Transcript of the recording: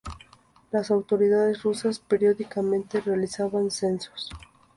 Las autoridades rusas periódicamente realizaban censos.